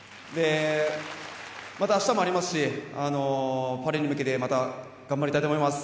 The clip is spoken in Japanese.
また、あしたもありますしパリに向けてまた頑張りたいと思います。